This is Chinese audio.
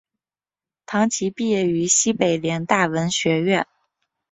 唐祈毕业于西北联大文学院。